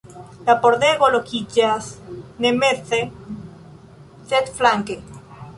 La pordego lokiĝas ne meze, sed flanke.